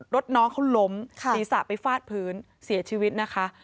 น้องเขาล้มศีรษะไปฟาดพื้นเสียชีวิตนะคะ